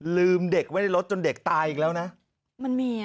ลืมเด็กไว้ในรถจนเด็กตายอีกแล้วนะมันมีอ่ะ